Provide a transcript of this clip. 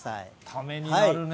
ためになるね。